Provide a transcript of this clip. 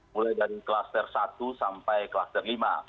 mulai dari kluster satu sampai kluster lima